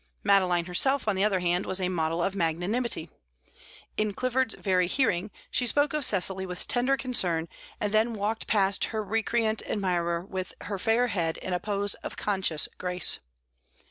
Madeline herself on the other hand, was a model of magnanimity; in Clifford's very hearing, she spoke of Cecily with tender concern, and then walked past her recreant admirer with her fair head in a pose of conscious grace.